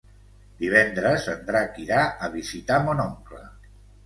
Divendres en Drac irà a visitar mon oncle.